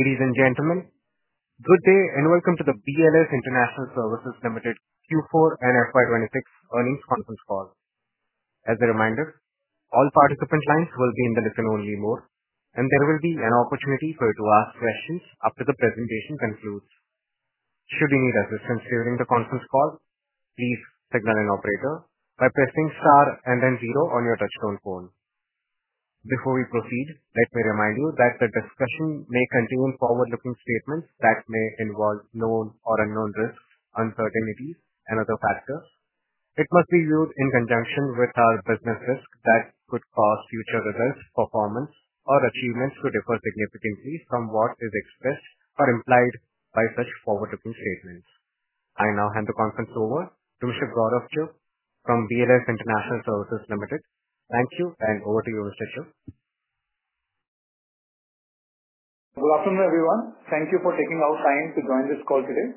Ladies and gentlemen, good day and welcome to the BLS International Services Limited Q4 and FY 2026 earnings conference call. As a reminder, all participant lines will be in the listen-only mode, and there will be an opportunity for you to ask questions after the presentation concludes. Should you need assistance during the conference call, please signal an operator by pressing star and then zero on your touchtone phone. Before we proceed, let me remind you that the discussion may contain forward-looking statements that may involve known or unknown risks, uncertainties and other factors. It must be viewed in conjunction with our business risk that could cause future results, performance or achievements to differ significantly from what is expressed or implied by such forward-looking statements. I now hand the conference over to Mr. Gaurav Chugh from BLS International Services Limited. Thank you, over to you, Mr. Chugh. Good afternoon, everyone. Thank you for taking out time to join this call today.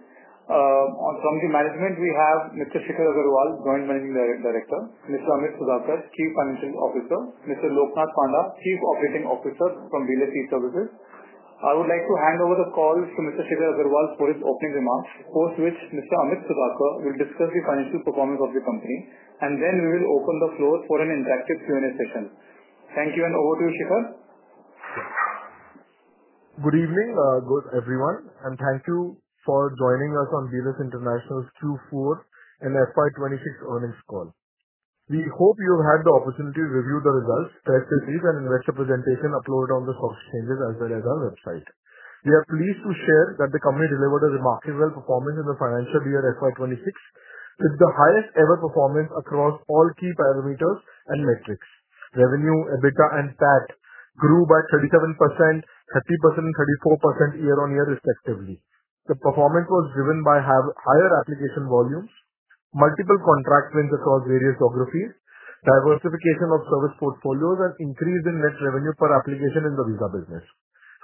From the management, we have Mr. Shikhar Aggarwal, Joint Managing Director, Mr. Amit Sudhakar, Chief Financial Officer, Mr. Lokanath Panda, Chief Operating Officer from BLS E-Services. I would like to hand over the call to Mr. Shikhar Aggarwal for his opening remarks. Post which, Mr. Amit Sudhakar will discuss the financial performance of the company, and then we will open the floor for an interactive Q&A session. Thank you, and over to you, Shikhar. Good evening, everyone, and thank you for joining us on BLS International's Q4 and FY 2026 earnings call. We hope you've had the opportunity to review the results, press releases and investor presentation uploaded on the stock exchanges as well as our website. We are pleased to share that the company delivered a remarkably well performance in the financial year FY 2026. It's the highest ever performance across all key parameters and metrics. Revenue, EBITDA and PAT grew by 37%, 30% and 34% year-on-year respectively. The performance was driven by higher application volumes, multiple contract wins across various geographies, diversification of service portfolios, and increase in net revenue per application in the visa business.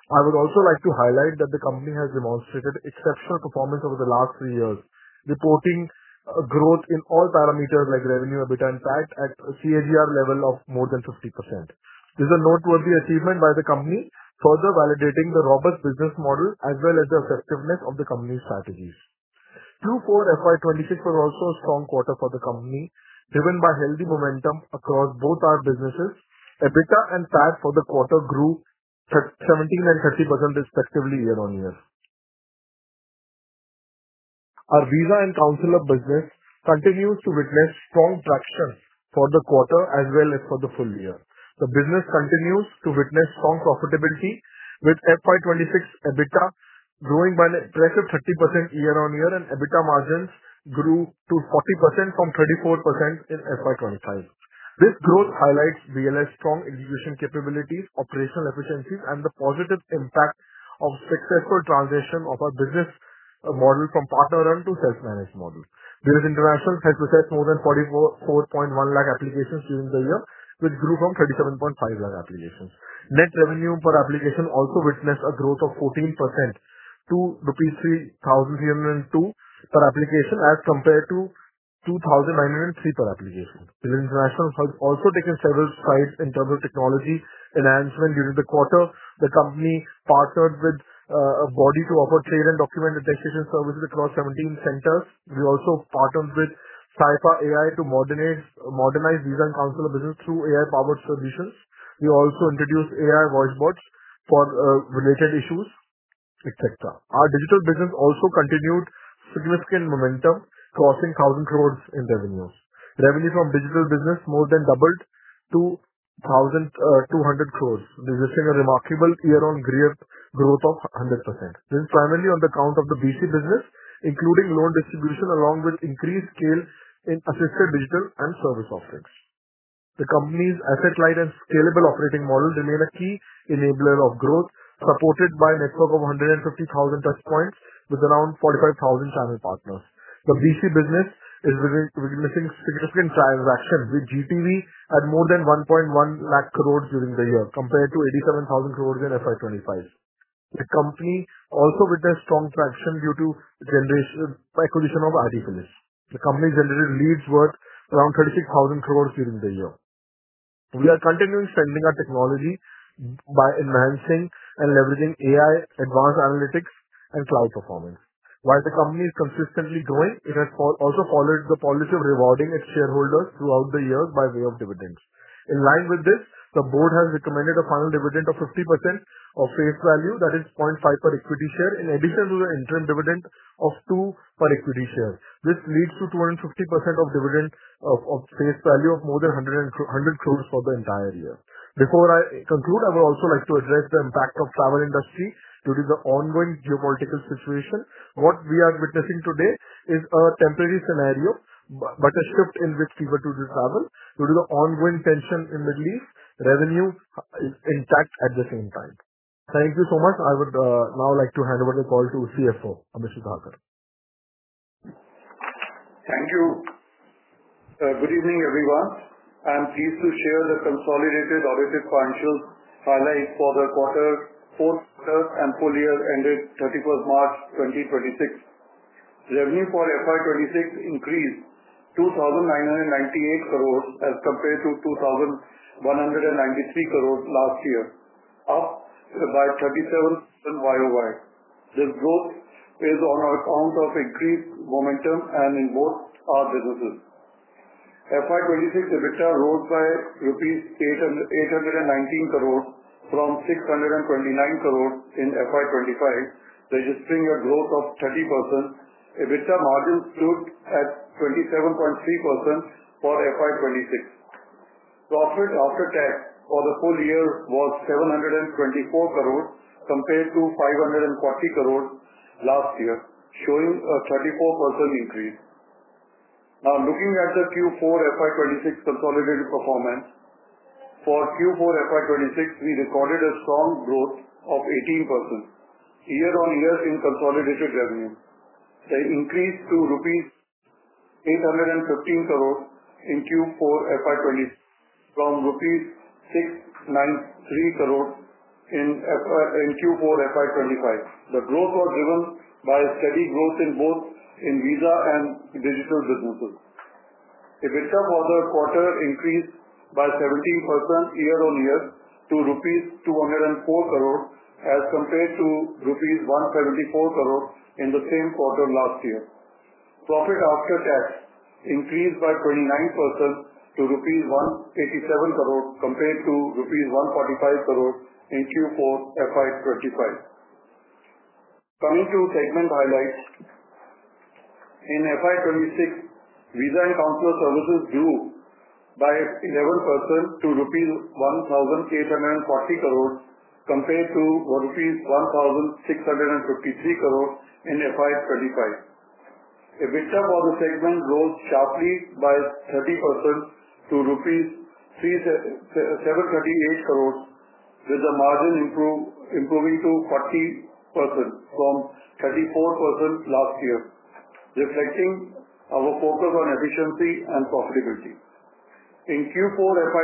I would also like to highlight that the company has demonstrated exceptional performance over the last three years, reporting a growth in all parameters like revenue, EBITDA, and PAT at a CAGR level of more than 50%. This is a noteworthy achievement by the company, further validating the robust business model as well as the effectiveness of the company's strategies. Q4 FY 2026 was also a strong quarter for the company, driven by healthy momentum across both our businesses. EBITDA and PAT for the quarter grew 17% and 30% respectively year-over-year. Our visa and consular business continues to witness strong traction for the quarter as well as for the full year. The business continues to witness strong profitability, with FY 2026 EBITDA growing by an impressive 30% year-over-year, and EBITDA margins grew to 40% from 34% in FY 2025. This growth highlights BLS' strong execution capabilities, operational efficiencies, and the positive impact of successful transition of our business model from partner-run to self-managed model. BLS International has processed more than 44.1 lakh applications during the year, which grew from 37.5 lakh applications. Net revenue per application also witnessed a growth of 14% to rupees 3,302 per application as compared to 2,903 per application. BLS International has also taken several strides in terms of technology enhancement during the quarter. The company partnered with a body to offer trade and document attestation services across 17 centers. We also partnered with Sypha AI to modernize visa and consular business through AI-powered solutions. We also introduced AI voice bots for related issues, et cetera. Our digital business also continued significant momentum, crossing 1,000 crores in revenues. Revenue from digital business more than doubled to 1,200 crores, witnessing a remarkable year-on-year growth of 100%. This is primarily on the count of the BC business, including loan distribution along with increased scale in assisted digital and service offerings. The company's asset-light and scalable operating model remain a key enabler of growth, supported by a network of 150,000 touchpoints with around 45,000 channel partners. The BC business is witnessing significant transactions, with GTV at more than 1.1 lakh crores during the year, compared to 87,000 crores in FY 2025. The company also witnessed strong traction due to acquisition of Aadifidelis. The company generated leads worth around 36,000 crores during the year. We are continually strengthening our technology by enhancing and leveraging AI, advanced analytics and cloud performance. While the company is consistently growing, it has also followed the policy of rewarding its shareholders throughout the years by way of dividends. In line with this, the board has recommended a final dividend of 50% of face value, that is 0.5 per equity share, in addition to the interim dividend of 2 per equity share. This leads to 250% of dividend of face value of more than 100 crores for the entire year. Before I conclude, I would also like to address the impact of travel industry due to the ongoing geopolitical situation. What we are witnessing today is a temporary scenario, but a shift in which people do travel due to the ongoing tension in the Middle East. Revenue is intact at the same time. Thank you so much. I would now like to hand over the call to CFO, Amit Sudhakar. Thank you. Good evening, everyone. I'm pleased to share the consolidated audited financials highlights for the quarter, fourth quarter and full year ended 31st March 2026. Revenue for FY 2026 increased to 2,998 crores as compared to 2,193 crores last year, up by 37% YoY. This growth is on account of increased momentum and in both our businesses. FY 2026 EBITDA rose by 819 crores rupees from 629 crores in FY 2025, registering a growth of 30%. EBITDA margin stood at 27.3% for FY 2026. Profit after tax for the full year was 724 crores compared to 540 crores last year, showing a 34% increase. Now looking at the Q4 FY 2026 consolidated performance. For Q4 FY 2026, we recorded a strong growth of 18% year-on-year in consolidated revenue. An increase to rupees 815 crores in Q4 FY 2026 from INR 693 crores in Q4 FY 2025. The growth was driven by steady growth in both visa and digital businesses. EBITDA for the quarter increased by 17% year-on-year to rupees 204 crores as compared to rupees 174 crores in the same quarter last year. Profit after tax increased by 29% to rupees 187 crores compared to rupees 145 crores in Q4 FY 2025. Coming to segment highlights. In FY 2026, visa and consular services grew by 11% to INR 1,840 crores compared to INR 1,653 crores in FY 2025. EBITDA for the segment rose sharply by 30% to rupees 738 crores, with the margin improving to 40% from 34% last year, reflecting our focus on efficiency and profitability. In Q4 FY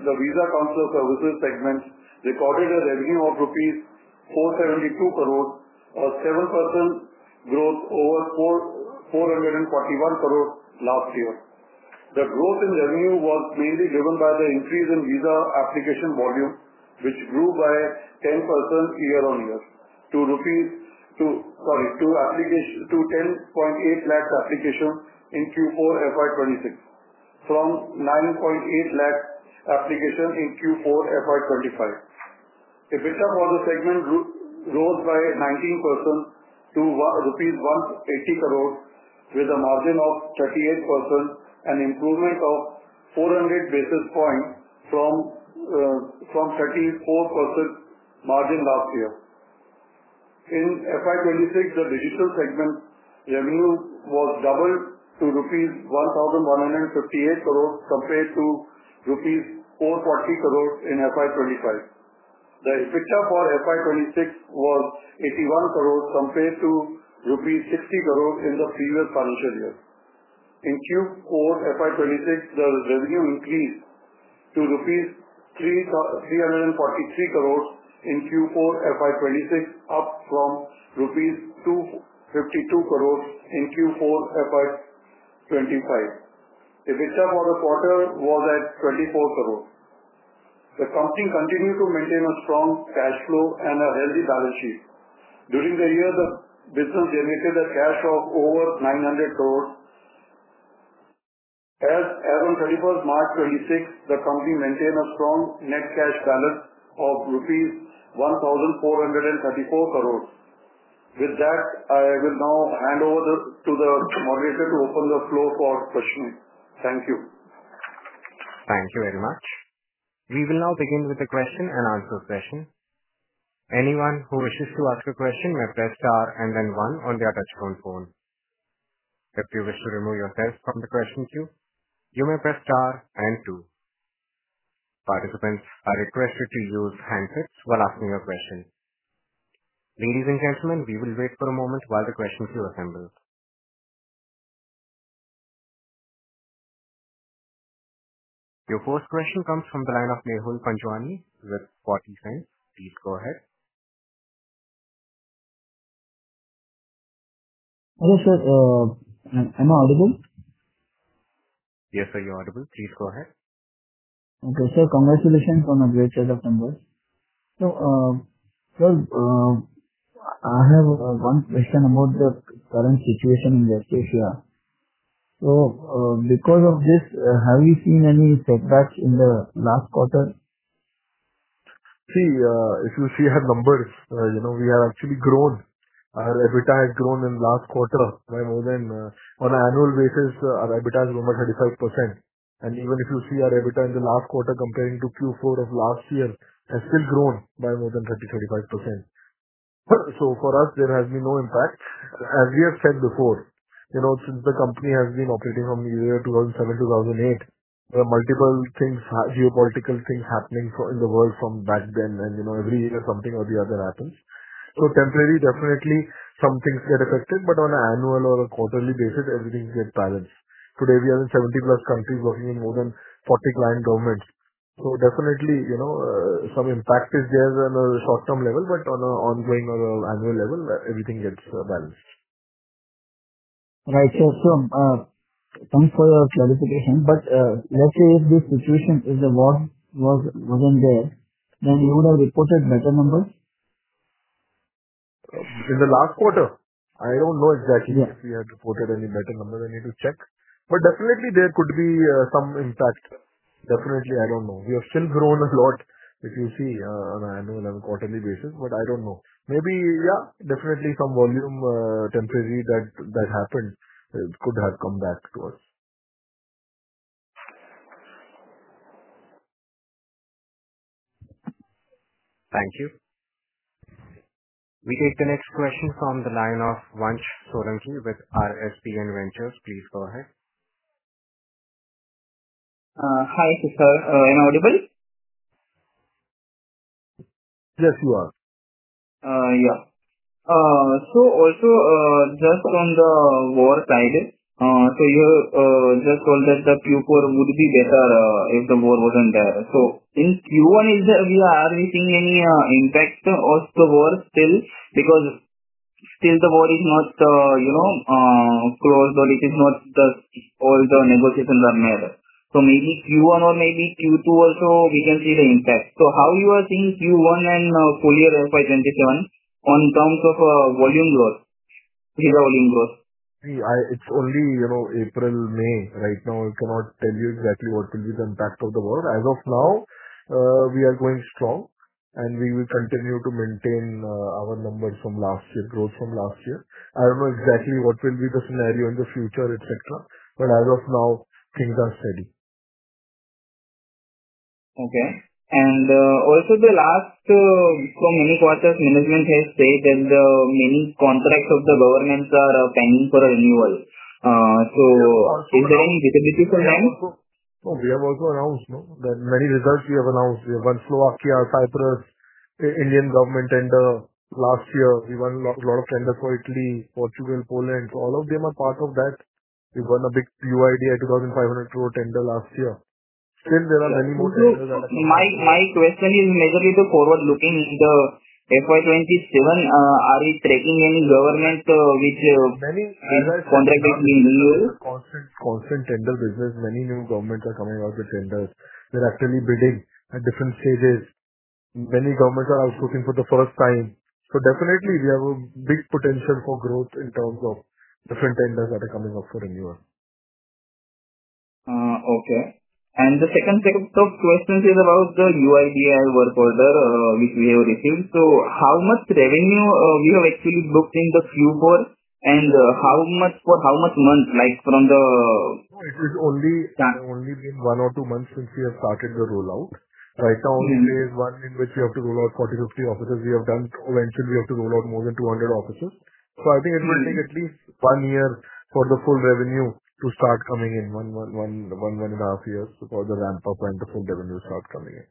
2026, the visa consular services segment recorded a revenue of INR 472 crores, a 7% growth over 441 crores last year. The growth in revenue was mainly driven by the increase in visa application volume, which grew by 10% year-on-year to 10.8 lakh applications in Q4 FY 2026 from 9.8 lakh applications in Q4 FY 2025. EBITDA for the segment rose by 19% to rupees 180 crores with a margin of 38%, an improvement of 400 basis points from 34% margin last year. In FY 2026, the digital segment revenue was doubled to 1,158 crores rupees compared to 440 crores rupees in FY 2025. The EBITDA for FY 2026 was 81 crores compared to 60 crores rupees in the previous financial year. In Q4 FY 2026, the revenue increased to rupees 343 crores in Q4 FY 2026, up from rupees 252 crores in Q4 FY 2025. EBITDA for the quarter was at 24 crores. The company continued to maintain a strong cash flow and a healthy balance sheet. During the year, the business generated a cash of over 900 crores. As on 31st March 2026, the company maintained a strong net cash balance of rupees 1,434 crores. With that, I will now hand over to the moderator to open the floor for questions. Thank you. Thank you very much. We will now be taking the question and answer session. Anyone who wishes to ask a question, press star and then one on the touchtone phone. If you wish to remove your question from the queue, you may press star and two. Participants are requested to use handsets while asking questions. Ladies and gentlemen, we will wait a moment while the questions are assembled. Your first question comes from the line of Mehul Panjwani with 40 Cents. Please go ahead. Hello, sir. Am I audible? Yes, sir, you're audible. Please go ahead. Okay, sir. Congratulations on a great set of numbers. I have one question about the current situation in West Asia. Because of this, have you seen any setbacks in the last quarter? If you see our numbers, we have actually grown. Our EBITDA has grown in last quarter. On an annual basis, our EBITDA has grown by 35%. Even if you see our EBITDA in the last quarter comparing to Q4 of last year, has still grown by more than 30%, 35%. For us, there has been no impact. As we have said before, since the company has been operating from the year 2007, 2008, there are multiple geopolitical things happening in the world from back then and every year something or the other happens. Temporary, definitely, some things get affected, but on an annual or a quarterly basis, everything gets balanced. Today, we are in 70+ countries working with more than 40 client governments. Definitely, some impact is there on a short-term level, but on an ongoing annual level, everything gets balanced. Right. Thanks for your clarification. Let's say if this situation wasn't there, then you would have reported better numbers? In the last quarter, I don't know exactly. Yeah. If we had reported any better numbers. I need to check. Definitely there could be some impact. Definitely, I don't know. We have still grown a lot. If you see on an annual and quarterly basis, I don't know. Maybe, yeah, definitely some volume temporarily that happened could have come back to us. Thank you. We take the next question from the line of Vansh Solanki with RSPN Ventures. Please go ahead. Hi, sir. Am I audible? Yes, you are. Yeah. Also, just on the war side, you just told that the Q4 would be better if the war wasn't there. In Q1, are we seeing any impact of the war still? Because still the war is not closed, or all the negotiations are made. Maybe Q1 or maybe Q2 also, we can see the impact. How you are seeing Q1 and full year FY 2027 in terms of volume growth? It's only April, May. Right now, I cannot tell you exactly what will be the impact of the war. As of now, we are going strong, and we will continue to maintain our numbers from last year, growth from last year. I don't know exactly what will be the scenario in the future, et cetera. As of now, things are steady. Okay. Also the last so many quarters, management has said that many contracts of the governments are pending for a renewal. Is there any definitive amends? We have also announced, no, that many results we have announced. We have won Slovakia, Cyprus, Indian government tender last year. We won a lot of tenders for Italy, Portugal, Poland. All of them are part of that. We won a big UIDAI 2,500 crore tender last year. Still there are many more tenders that are pending. My question is majorly the forward looking in the FY 2027. Are we tracking any government which has contracted renew? Many tenders are coming up. This is a constant tender business. Many new governments are coming out with tenders. They're actually bidding at different stages. Many governments are out looking for the first time. Definitely we have a big potential for growth in terms of different tenders that are coming up for renewal. Okay. The second set of questions is about the UIDAI work order which we have received. How much revenue we have actually booked in the Q4 and for how much months? It is only been one or two months since we have started the rollout. This is one in which we have to roll out 40, 50 offices. We have done. Eventually, we have to roll out more than 200 offices, will take at least one year for the full revenue to start coming in. One and a half years for the ramp-up and the full revenue to start coming in.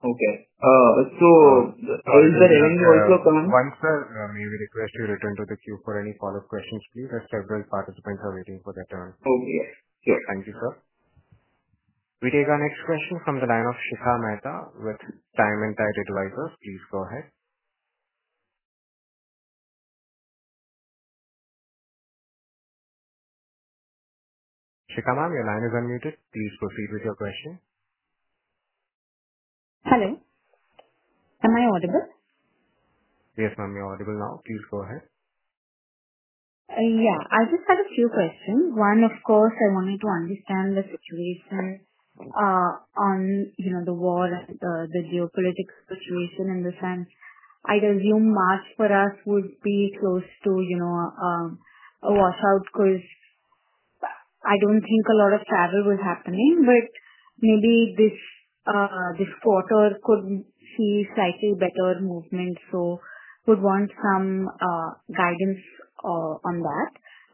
Okay. Vansh, sir, may we request you to return to the queue for any follow-up questions, please, as several participants are waiting for their turn. Oh, yes. Thank you, sir. We take our next question from the line of Shikha Mehta with Time & Tide Advisors. Please go ahead. Shikha, ma'am, your line is unmuted. Please proceed with your question. Hello, am I audible? Yes, ma'am, you're audible now. Please go ahead. Yeah. I just had a few questions. One, of course, I wanted to understand the situation on the war, the geopolitical situation in the sense, I'd assume March for us would be close to a washout because I don't think a lot of travel was happening, but maybe this quarter could see slightly better movement. Would want some guidance on that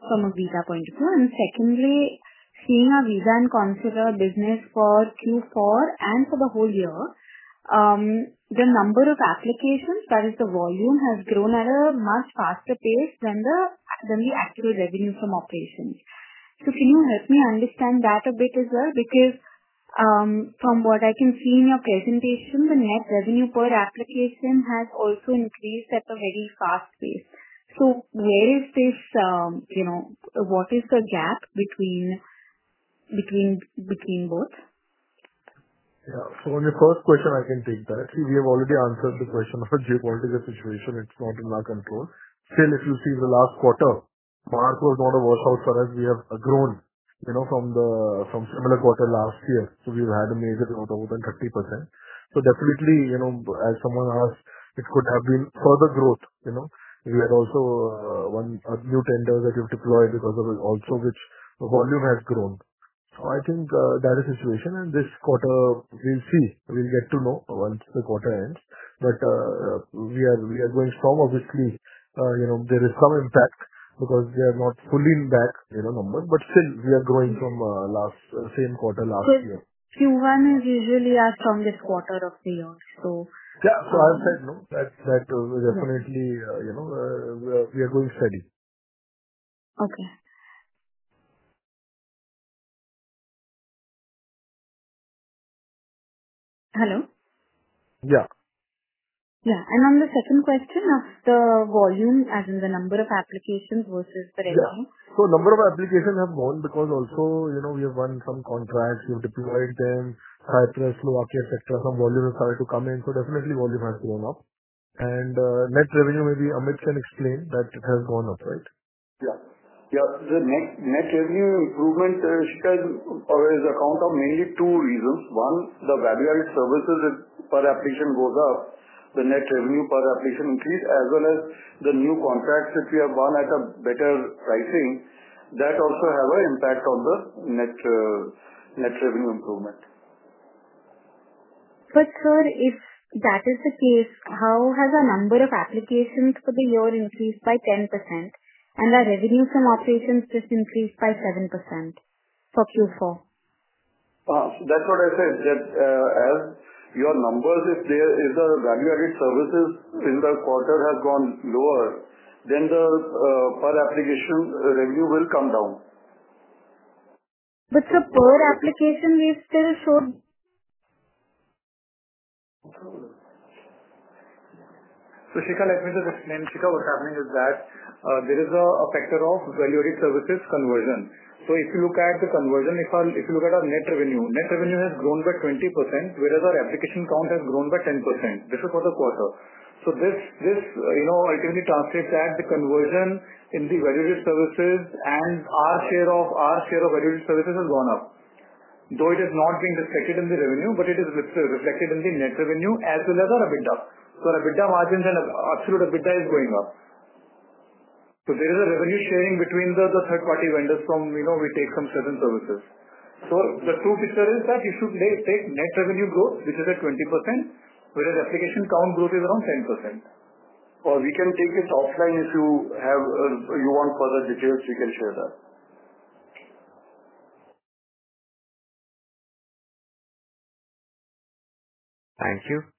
from a visa point of view. Secondly, seeing our visa and consular business for Q4 and for the whole year, the number of applications, that is, the volume, has grown at a much faster pace than the actual revenue from operations. Can you help me understand that a bit as well? From what I can see in your presentation, the net revenue per application has also increased at a very fast pace. Where is what is the gap between both? Yeah. On your first question, I can take that. Actually, we have already answered the question of a geopolitical situation. It's not in our control. If you see the last quarter, March was not a washout for us. We have grown from similar quarter last year. We've had a major growth of more than 30%. Definitely, as someone asked, it could have been further growth. We had also one new tender that we've deployed because of also which the volume has grown. I think that is the situation, and this quarter, we'll see. We'll get to know once the quarter ends. We are going strong. Obviously, there is some impact because they are not fully back, numbers, but still we are growing from same quarter last year. Q1 is usually our strongest quarter of the year. Yeah. As I said, that definitely we are going steady. Okay. Hello? Yeah. Yeah. On the second question of the volume, as in the number of applications versus the revenue. Yeah. Number of applications have gone because also we have won some contracts. We've deployed them, Cyprus, Slovakia, et cetera. Some volume has started to come in. Definitely, volume has to went up. Net revenue, maybe Amit can explain that it has gone up. Right? Yeah. The net revenue improvement, Shikha, is account of mainly two reasons. One, the value-added services per application goes up, the net revenue per application increase as well as the new contracts, if we have won at a better pricing, that also have an impact on the net revenue improvement. Sir, if that is the case, how has the number of applications for the year increased by 10% and the revenue from operations just increased by 7% for Q4? That's what I said, that as your numbers, if there is a value-added services in the quarter has gone lower, then the per application revenue will come down. Sir, per application we still showed. Shikha, let me just explain. Shikha, what's happening is that, there is a factor of value-added services conversion. If you look at the conversion, if you look at our net revenue, net revenue has grown by 20%, whereas our application count has grown by 10%. This is for the quarter. This ultimately translates that the conversion in the value-added services and our share of value-added services has gone up. Though it has not been reflected in the revenue, but it is reflected in the net revenue as well as our EBITDA. Our EBITDA margins and absolute EBITDA is going up. There is a revenue sharing between the third-party vendors. We take some certain services. The truth is that if you take net revenue growth, this is at 20%, whereas application count growth is around 10%. We can take this offline if you want further details, we can share that. Thank you.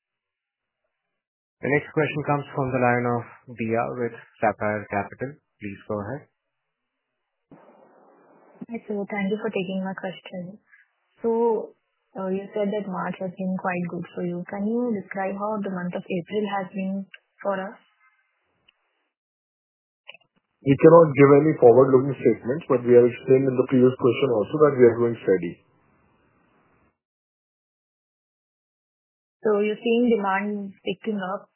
The next question comes from the line of Diya with Sapphire Capital. Please go ahead. Hi sir, thank you for taking our question. You said that March has been quite good for you. Can you describe how the month of April has been for us? We cannot give any forward-looking statements, but we have said in the previous question also that we are growing steady. You're seeing demand ticking up?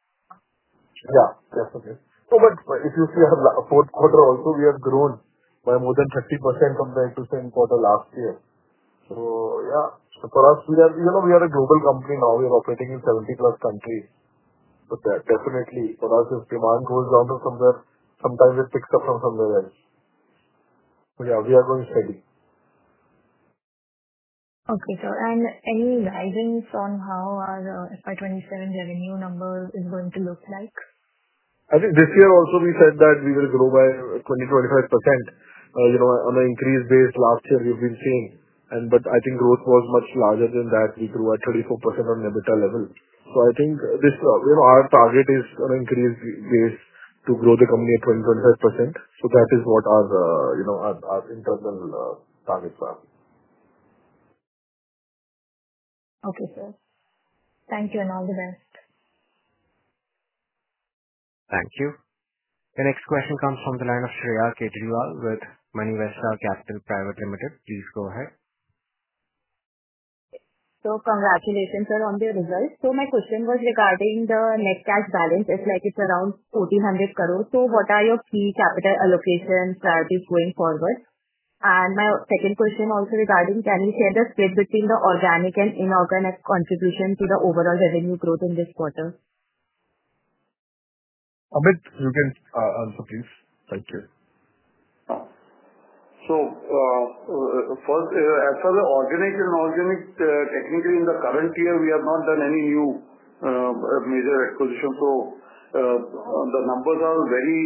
Yeah. Okay. If you see our fourth quarter also, we have grown by more than 30% compared to same quarter last year. Yeah. We are a global company now. We are operating in 70+ countries. Definitely, for us, if demand goes down from somewhere, sometimes it picks up from somewhere else. Yeah, we are growing steady. Okay, sir. Any guidance on how our FY 2027 revenue numbers is going to look like? I think this year also we said that we will grow by 20%-25% on an increase base. Last year we've been seeing. I think growth was much larger than that. We grew at 34% on EBITDA level. I think our target is on increase base to grow the company at 20%-25%. That is what our internal targets are. Okay, sir. Thank you, and all the best. Thank you. The next question comes from the line of Shreya Kejriwal with Moneyvesta Capital Private Limited. Please go ahead. Congratulations on the results. My question was regarding the net cash balance. It's like it's around INR 1,400 crore. What are your key capital allocation strategies going forward? My second question also regarding, can you share the split between the organic and inorganic contribution to the overall revenue growth in this quarter? Amit, you can answer, please. Thank you. As per the organic and inorganic, technically in the current year we have not done any new major acquisition. The numbers are very,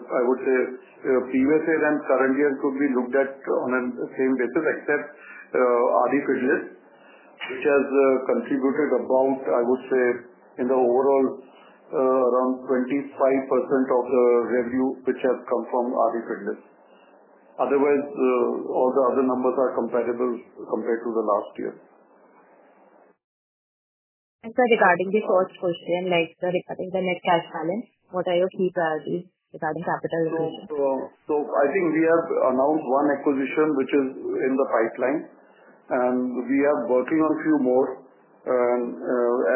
I would say previous year and current year could be looked at on a same basis except Aadifidelis, which has contributed about, I would say in the overall, around 25% of the revenue which has come from Aadifidelis. Otherwise, all the other numbers are comparable compared to the last year. Sir, regarding the first question, like regarding the net cash balance, what are your key priorities regarding capital? I think we have announced one acquisition which is in the pipeline, and we are working on few more.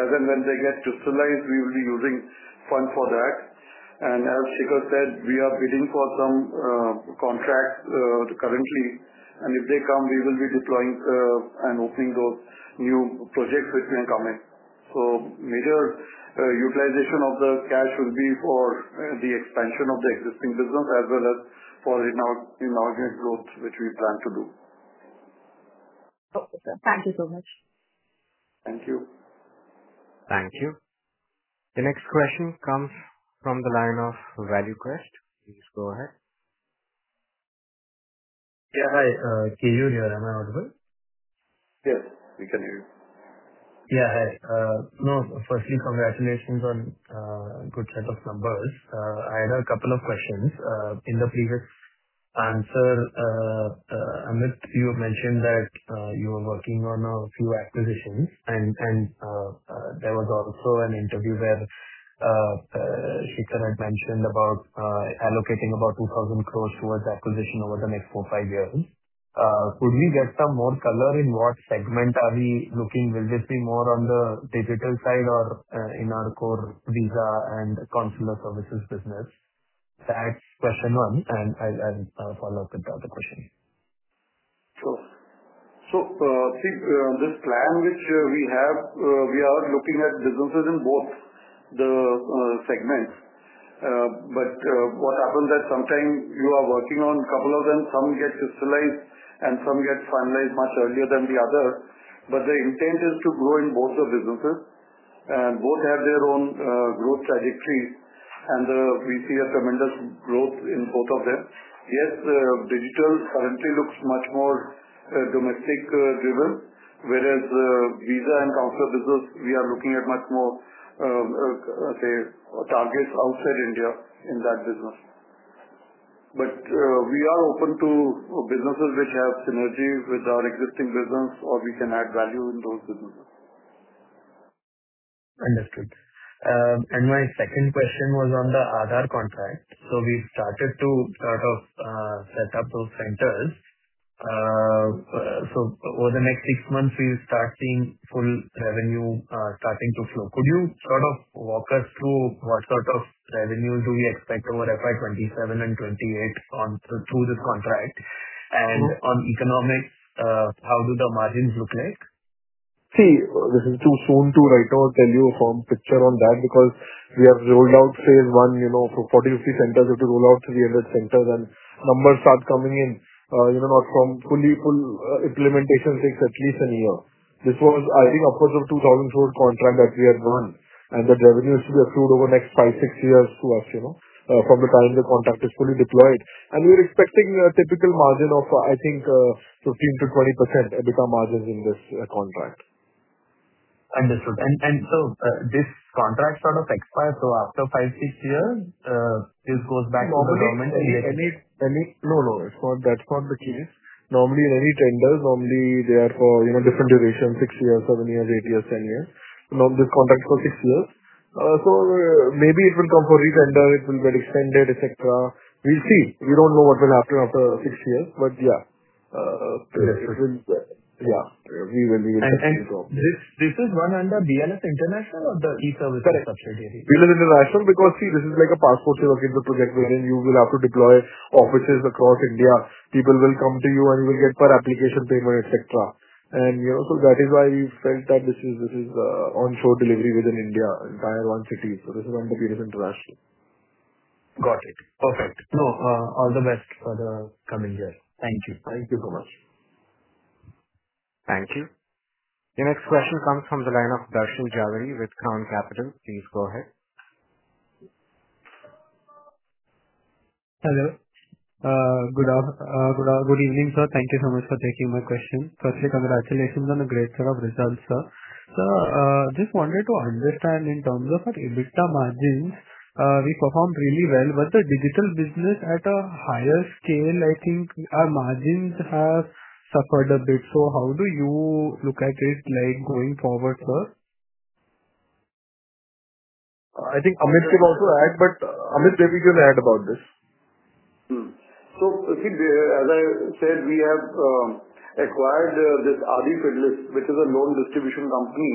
As and when they get crystallized, we will be using fund for that. As Shikhar said, we are bidding for some contracts currently and if they come we will be deploying and opening those new projects which may come in. Major utilization of the cash will be for the expansion of the existing business as well as for inorganic growth which we plan to do. Okay sir. Thank you so much. Thank you. Thank you. The next question comes from the line of ValueQuest. Please go ahead. Yeah, hi. Keyur here. Am I audible? Yes, we can hear you. Yeah. Hi. Firstly, congratulations on a good set of numbers. I had a couple of questions. In the previous answer, Amit, you mentioned that you are working on a few acquisitions and there was also an interview where Shikhar had mentioned about allocating about 2,000 crores towards acquisition over the next four, five years. Could we get some more color in what segment are we looking? Will this be more on the digital side or in our core Visa and Consular Services business? That is question one. I will follow up with the other question. Sure. This plan which we have, we are looking at businesses in both the segments. What happens is that sometimes you are working on a couple of them, some get crystallized, and some get finalized much earlier than the others. The intent is to grow in both the businesses. Both have their own growth trajectory, and we see a tremendous growth in both of them. Yes, digital currently looks much more domestic-driven, whereas visa and consular business, we are looking at much more targets outside India in that business. We are open to businesses which have synergies with our existing business, or we can add value in those businesses. Understood. My second question was on the Aadhaar contract. We've started to set up those centers. Over the next six months, we start seeing full revenue starting to flow. Could you walk us through what sort of revenue do we expect over FY 2027 and FY 2028 through this contract? On economics, how do the margins look like? This is too soon to right now tell you a firm picture on that, because we have rolled out phase I. 40 or 50 centers have to roll out to 300 centers, and numbers start coming in. From full implementation takes at least one year. This was, I think, a 2004 contract that we had won, and the revenue is to be accrued over the next five to six years to us, from the time the contract is fully deployed. We are expecting a typical margin of, I think, 15%-20% EBITDA margins in this contract. Understood. This contract sort of expires so after five to six years, this goes back to the government? No, that's not the case. Normally, in any tender, normally they are for different durations, six years, seven years, eight years, 10 years. This contract is for six years. Maybe it will come for re-tender, it will get extended, et cetera. We'll see. We don't know what will happen after six years. Yeah. We will be interested. This is run under BLS International or the E-Services subsidiary? BLS International, this is like a passport service project where you will have to deploy offices across India. People will come to you will get per application payment, et cetera. That is why we felt that this is onshore delivery within India, entire one city. This is under BLS International. Got it. Perfect. All the best for the coming year. Thank you. Thank you so much. Thank you. The next question comes from the line of Darshil Jhaveri with Crown Capital. Please go ahead. Hello. Good evening, sir. Thank you so much for taking my question. Firstly, congratulations on a great set of results, sir. Just wanted to understand in terms of our EBITDA margins, we performed really well. The digital business at a higher scale, I think our margins have suffered a bit. How do you look at it going forward, sir? I think Amit can also add. Amit, maybe you can add about this. As I said, we have acquired this Aadifidelis, which is a loan distribution company,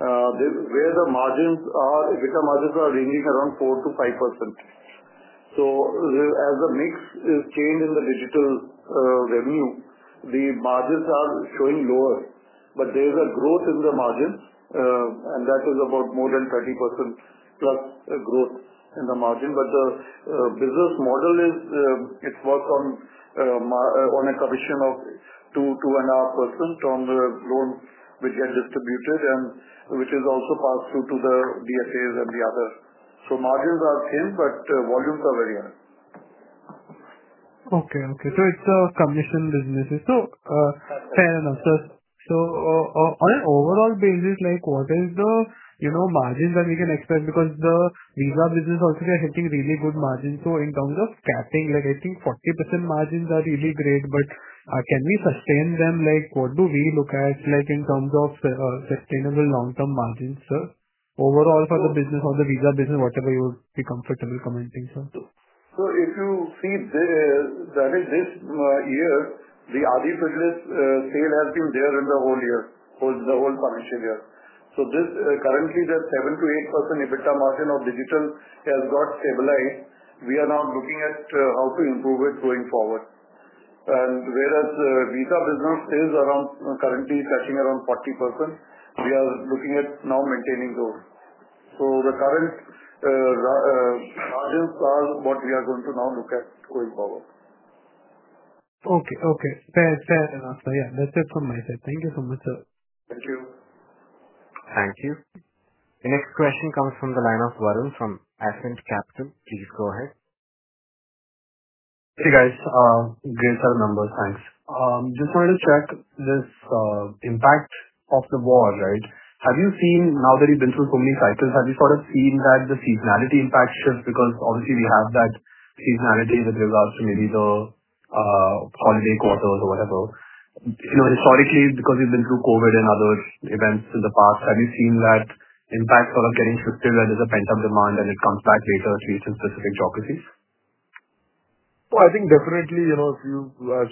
where the EBITDA margins are ranging around 4%-5%. As the mix is changed in the digital revenue, the margins are showing lower. There's a growth in the margins, and that is about more than 30%+ growth in the margin. The business model works on a commission of 2.5% on the loans which get distributed and which is also passed through to the DSAs and the others. Margins are thin, but volumes are very high. Okay. It's a commission business. Fair enough, sir. On an overall basis, what is the margins that we can expect? Because the visa business also you are hitting really good margins. In terms of capping, I think 40% margins are really great, but can we sustain them? What do we look at in terms of sustainable long-term margins, sir? Overall for the business, or the visa business, whatever you would be comfortable commenting, sir. If you see, that is this year, the Aadifidelis sale has been there in the whole year, the whole financial year. Currently, that 7%-8% EBITDA margin of digital has got stabilized. We are now looking at how to improve it going forward. Whereas visa business sales are currently touching around 40%. We are looking at now maintaining those. The current margins are what we are going to now look at going forward. Okay. Fair enough, sir. That's it from my side. Thank you so much, sir. Thank you. Thank you. The next question comes from the line of Varun from Ascent Capital. Please go ahead. Hey, guys. Great set of numbers. Thanks. Just wanted to check this impact of the war. Now that you've been through so many cycles, have you seen that the seasonality impact shifts? Obviously we have that seasonality with regards to maybe the holiday quarters or whatever. Historically, we've been through COVID and other events in the past, have you seen that impact sort of getting shifted where there's a pent-up demand and it comes back later to specific geographies? I think definitely, as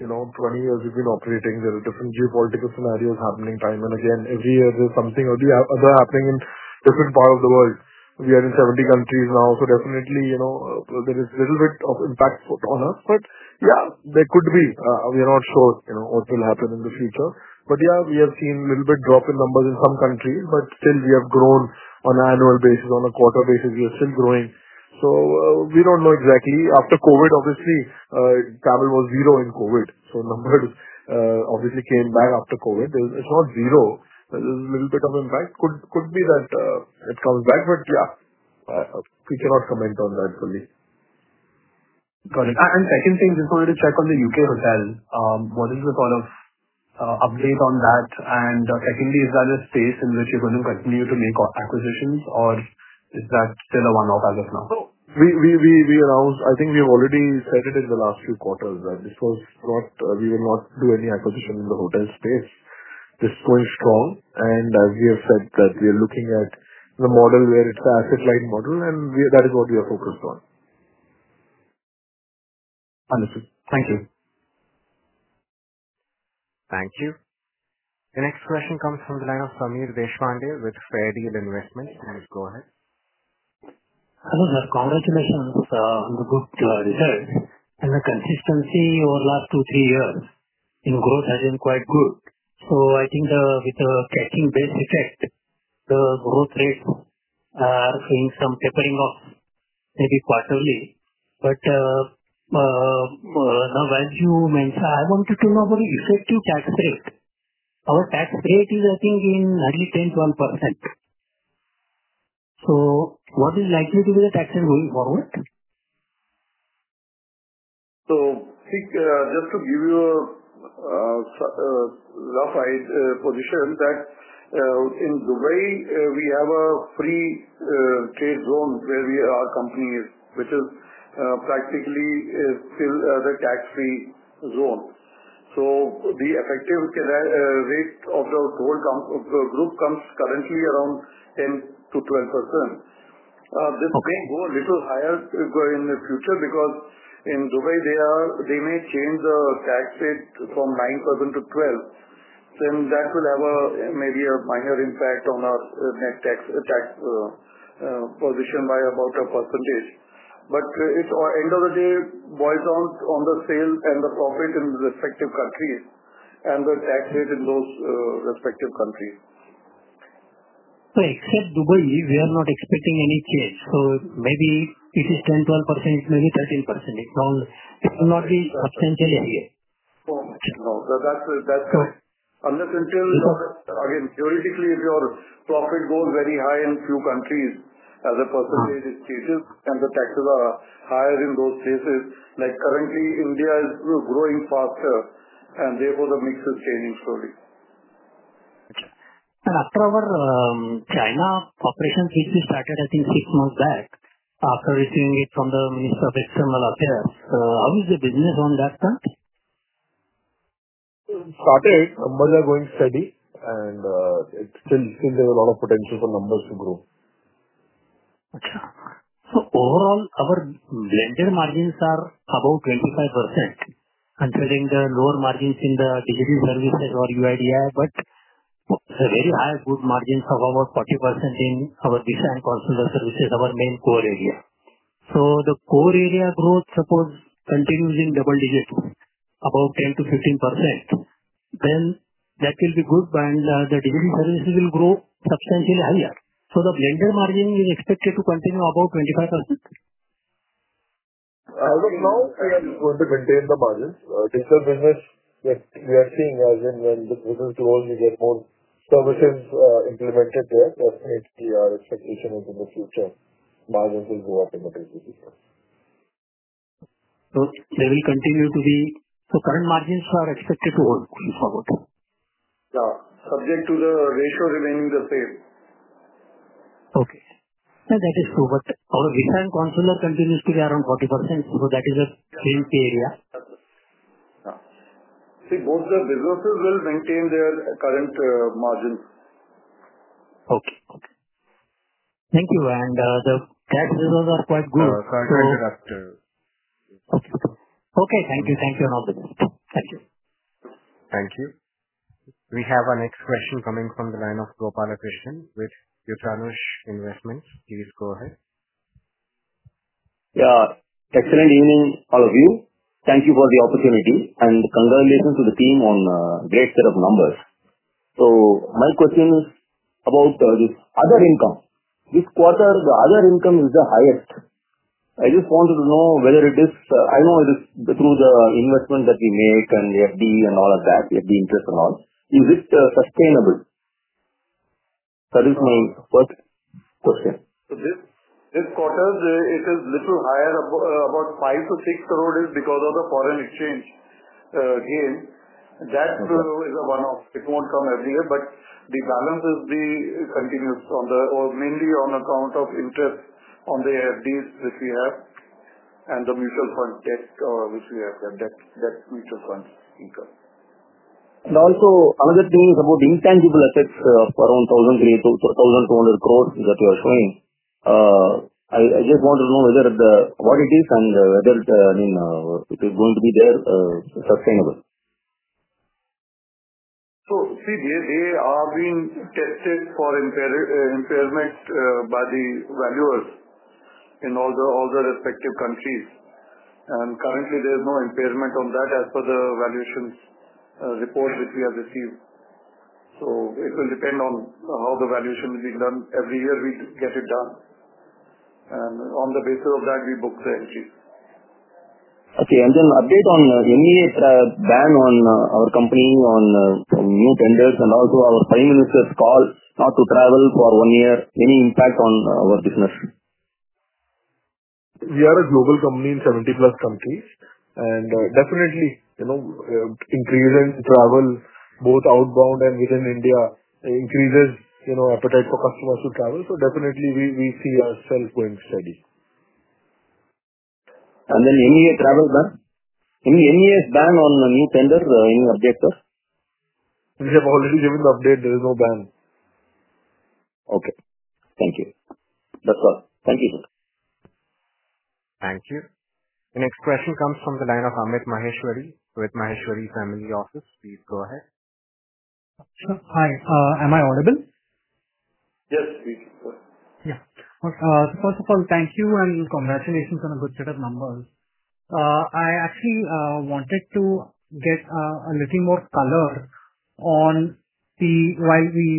you said, 20 years we've been operating, there are different geopolitical scenarios happening time and again. Every year there's something or the other happening in different parts of the world. We are in 70 countries now, so definitely, there is a little bit of impact on us. Yeah, there could be. We are not sure what will happen in the future. Yeah, we have seen a little bit drop in numbers in some countries, but still we have grown on an annual basis, on a quarter basis, we are still growing. We don't know exactly. After COVID, obviously, travel was zero in COVID. Numbers obviously came back after COVID. It's not zero. There's a little bit of an impact. Could be that it comes back, but yeah, we cannot comment on that fully. Got it. Second thing, just wanted to check on the U.K. hotel, what is the update on that? Secondly, is that a space in which you're going to continue to make acquisitions or is that still a one-off as of now? No. I think we've already said it in the last few quarters, that we will not do any acquisition in the hotel space. It's going strong, as we have said that we are looking at the model where it's the asset-light model, and that is what we are focused on. Understood. Thank you. Thank you. The next question comes from the line of Sameer Deshpande with Fairdeal Investments. Please go ahead. Hello, sir. Congratulations on the good results and the consistency over the last two, three years. Growth has been quite good. I think with the catching base effect, the growth rates are seeing some tapering off, maybe quarterly. Now as you mentioned, I wanted to know about the effective tax rate. Our tax rate is, I think, nearly 10%-12%. What is likely to be the tax rate moving forward? Just to give you a rough idea, position that in Dubai, we have a free trade zone where our company is, which is practically still the tax-free zone. The effective rate of the group comes currently around 10%-12%. This may go a little higher in the future because in Dubai they may change the tax rate from 9%-12%. That will have maybe a minor impact on our net tax position by about a percentage. End of the day, it boils down on the sales and the profit in respective countries and the tax rate in those respective countries. Except Dubai, we are not expecting any change. Maybe it is 10%, 12%, maybe 13%, it will not be substantial area. No. Unless until, again, theoretically, if your profit goes very high in few countries, as a percentage it changes and the taxes are higher in those cases. Like currently India is growing faster and therefore the mix is changing slowly. After our China operation, which we started, I think six months back after receiving it from the Minister of External Affairs. How is the business on that front? It started. Numbers are going steady and still there's a lot of potential for numbers to grow. Okay. Overall, our blended margins are above 25%, considering the lower margins in the delivery services or UIDAI, it's a very high, good margin of over 40% in our visa and consular services, our main core area. The core area growth, suppose continues in double digits, above 10%-15%, then that will be good and the delivery services will grow substantially higher. The blended margin is expected to continue above 25%? As of now, we are going to maintain the margins. Digital business, we are seeing as and when the business grows, we get more services implemented there. Definitely our expectation is in the future margins will go up in the digital business. They will continue. Current margins are expected to hold for about. Yeah. Subject to the ratio remaining the same. Okay. That is true. Our design consular continues to be around 40%. That is a clean area. Yeah. See, both the businesses will maintain their current margins. Okay. Thank you. The tax results are quite good. Correct. Okay. Thank you. Thank you and all the best. Thank you. Thank you. We have our next question coming from the line of Gopalakrishnan with [Utanesh] Investments. Please go ahead. Excellent evening, all of you. Thank you for the opportunity and congratulations to the team on a great set of numbers. My question is about this other income. This quarter, the other income is the highest. I just wanted to know, I know it is through the investment that we make and the FD and all of that, the interest and all, is it sustainable? That is my first question. This quarter, it is little higher, about 5 crore-6 crore is because of the foreign exchange gain. That is a one-off. It won't come every year, the balance will be continuous. Mainly on account of interest on the FD's that we have and the mutual fund debt which we have, that mutual fund income. Also, another thing is about the intangible assets of around 1,200 crore that you are showing. I just want to know what it is and whether it is going to be there sustainable? See, they are being tested for impairment by the valuers in all the respective countries. Currently, there is no impairment on that as per the valuations report which we have received. It will depend on how the valuation is being done. Every year we get it done, and on the basis of that, we book the entry. Okay. Update on MEA ban on our company on some new tenders and also our prime minister's call not to travel for one year, any impact on our business? We are a global company in 70+ countries. Definitely, increasing travel both outbound and within India increases appetite for customers to travel. Definitely, we see ourselves going steady. MEA travel ban. MEA's ban on new tender, any updates, sir? We have already given the update. There is no ban. Okay. Thank you. That's all. Thank you, sir. Thank you. The next question comes from the line of Amit Maheshwari with Maheshwari Family Office. Please go ahead. Hi. Am I audible? Yes, we can hear. Yeah. First of all, thank you and congratulations on a good set of numbers. I actually wanted to get a little more color on the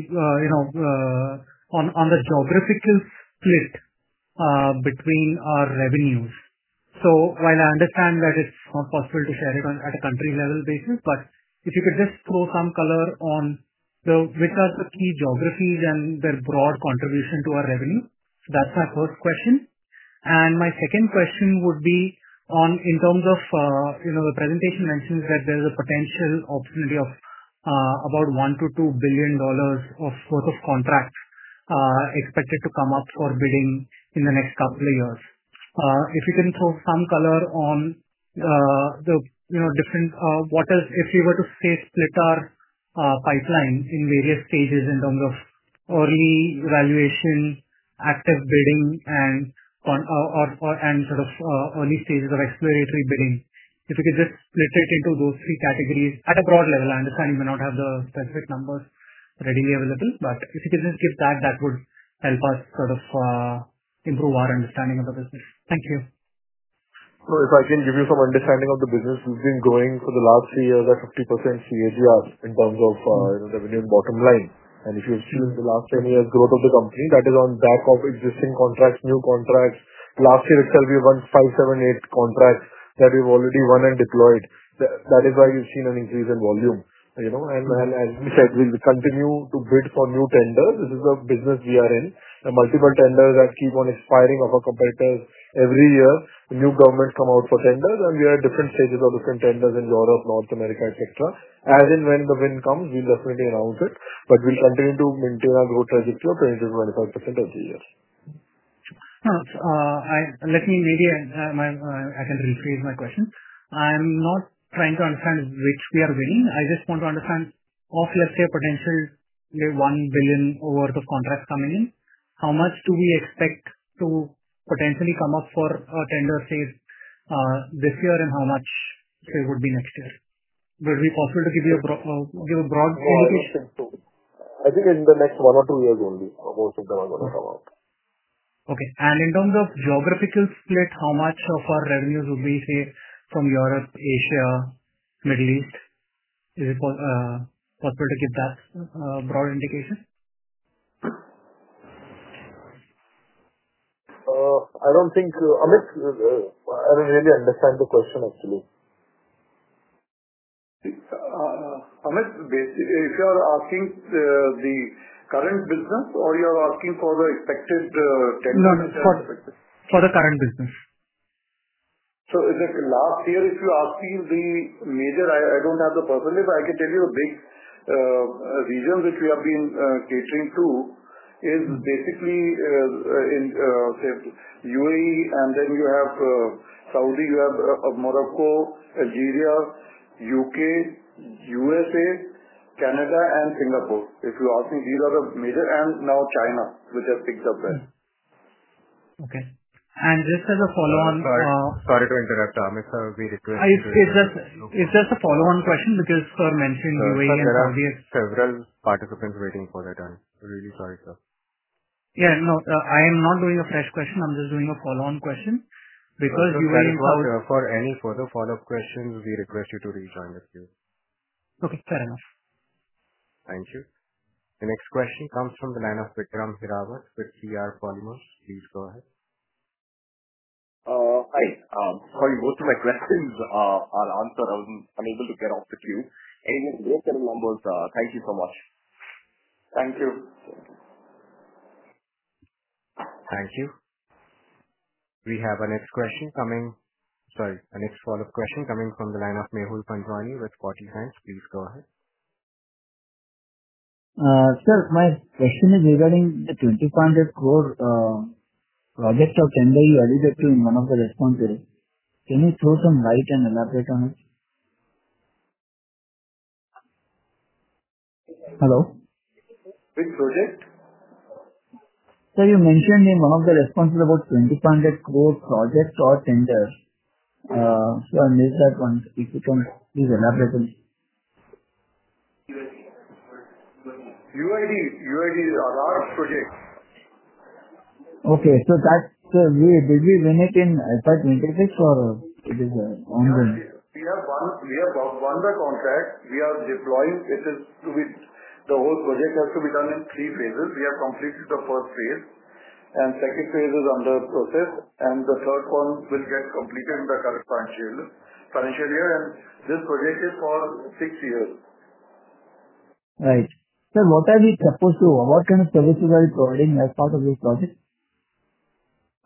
geographical split between our revenues. While I understand that it's not possible to share it at a country-level basis, but if you could just throw some color on which are the key geographies and their broad contribution to our revenue. That's my first question. My second question would be, in terms of the presentation mentions that there's a potential opportunity of about $1 billion-$2 billion of sort of contracts expected to come up for bidding in the next couple of years. If you can throw some color, if you were to, say, split our pipeline in various stages in terms of early evaluation, active bidding, and early stages of exploratory bidding? If you could just split it into those three categories at a broad level. I understand you may not have the specific numbers readily available, but if you could just give that would help us improve our understanding of the business. Thank you. If I can give you some understanding of the business, we've been growing for the last three years at 50% CAGR in terms of revenue and bottom line. If you have seen in the last 10 years, growth of the company, that is on the back of existing contracts, new contracts. Last year itself, we won 578 contracts that we've already won and deployed. That is why you've seen an increase in volume. As we said, we'll continue to bid for new tenders. This is a business we are in. The multiple tenders that keep on expiring of our competitors. Every year, new governments come out for tenders, and we are at different stages of different tenders in Europe, North America, etc. As and when the win comes, we'll definitely announce it, but we'll continue to maintain our growth trajectory of 20%-25% of the year. Let me rephrase my question. I'm not trying to understand which we are winning. I just want to understand of, let's say, a potential $1 billion worth of contracts coming in, how much do we expect to potentially come up for tender, say, this year and how much, say, would be next year? Would it be possible to give a broad indication? I think in the next one or two years only, most of them are going to come out. Okay. In terms of geographical split, how much of our revenues would be, say, from Europe, Asia, Middle East? Is it possible to give that broad indication? Amit, I don't really understand the question, actually. Amit, basically, if you are asking the current business or you are asking for the expected tender? For the current business. Last year, if you're asking the major, I don't have the percentage, but I can tell you a big region which we have been catering to is basically U.A.E., and then you have Saudi, you have Morocco, Algeria, U.K., U.S.A., Canada, and Singapore. If you're asking, these are the major. Now China, which has picked up well. Okay. just as a follow-on. Sorry to interrupt, Amit. It's just a follow-on question because sir mentioned U.A.E. and Saudi. Sir, there are several participants waiting for their turn. Really sorry, sir. Yeah. No, I'm not doing a fresh question. I'm just doing a follow-on question because you were involved. Sir, for any further follow-up questions, we request you to rejoin the queue. Okay, fair enough. Thank you. The next question comes from the line of Vikram Hirawat with C.R. Polymerss. Please go ahead. Hi. Sorry, most of my questions are answered. I was unable to get off the queue. Anyway, great selling numbers. Thank you so much. Thank you. Thank you. We have a next follow-up question coming from the line of Mehul Panjuani with 40 Cents. Please go ahead. Sir, my question is regarding the 2,500 crore project or tender you alluded to in one of the responses. Can you throw some light and elaborate on it? Hello? Which project? Sir, you mentioned in one of the responses about 2,500 crore project or tender. I missed that one. If you can please elaborate on it. UID is Aadhaar project. Okay. Did we win it in 2026 or it is ongoing? We have won the contract. We are deploying. The whole project has to be done in three phases. We have completed the first phase, and the second phase is under process, and the third one will get completed in the current financial year. This project is for six years. Right. Sir, what kind of services are you providing as part of this project?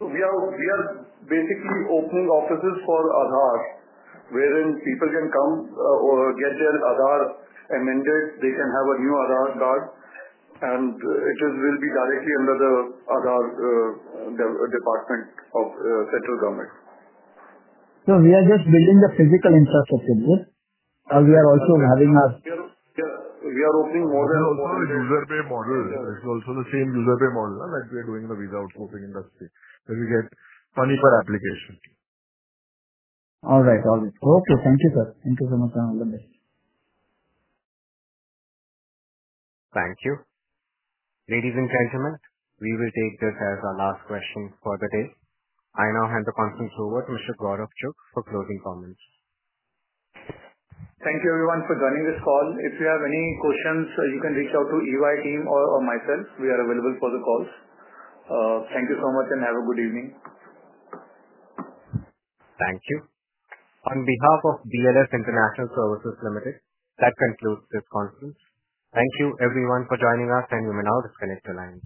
We are basically opening offices for Aadhaar, wherein people can come, get their Aadhaar amended. They can have a new Aadhaar card, and it will be directly under the Aadhaar Department of Central Government. We are just building the physical infrastructure. Yes? We are opening more and more user pay model. It's also the same user pay model like we are doing in the visa outsourcing industry, where we get money per application. All right. Okay. Thank you, sir. Thank you so much, and all the best. Thank you. Ladies and gentlemen, we will take this as our last question for the day. I now hand the conference over to Mr. Gaurav Chugh for closing comments. Thank you everyone for joining this call. If you have any questions, you can reach out to EY team or myself. We are available for the calls. Thank you so much and have a good evening. Thank you. On behalf of BLS International Services Limited, that concludes this conference. Thank you everyone for joining us, and you may now disconnect your lines.